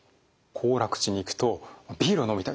行楽地に行くとビールを飲みたいと。